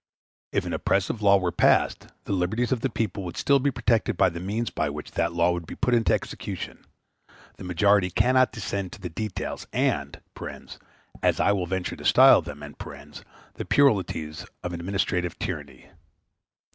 If an oppressive law were passed, the liberties of the people would still be protected by the means by which that law would be put in execution: the majority cannot descend to the details and (as I will venture to style them) the puerilities of administrative tyranny.